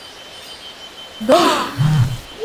— Дол!